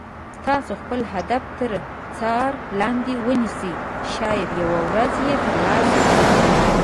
تاسو خپل هدف تر څار لاندې ونیسئ شاید یوه ورځ یې تر لاسه کړئ.